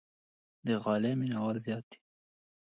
د غالۍ مینوال زیات دي.